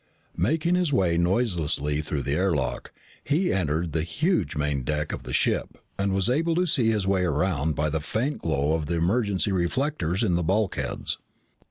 Making his way noiselessly through the air lock, he entered the huge main deck of the ship and was able to see his way around by the faint glow of the emergency reflectors in the bulkheads.